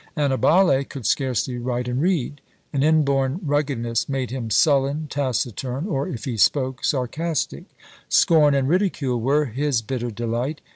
Annibale could scarcely write and read; an inborn ruggedness made him sullen, taciturn, or, if he spoke, sarcastic; scorn and ridicule were his bitter delight.